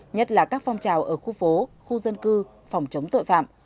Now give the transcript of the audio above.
nhất là các phong trào ở khu phố khu dân cư phòng chống tội phạm